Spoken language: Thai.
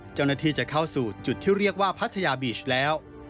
เจ้าหน้าที่จะเข้าสู่จุดที่เรียกว่าพัทยาบีชแล้ว